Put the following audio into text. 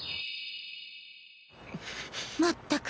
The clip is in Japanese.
・まったく。